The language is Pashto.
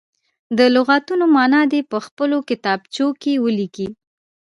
د لغتونو معنا دې په خپلو کتابچو کې ولیکي.